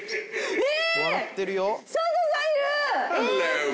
えっ？